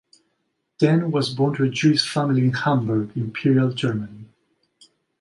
Dehn was born to a Jewish family in Hamburg, Imperial Germany.